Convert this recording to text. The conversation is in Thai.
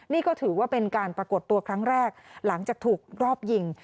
นี่ก็ถือว่าเป็นการปรากฏตัวครั้งแรกหลังจากถูกรอบยิง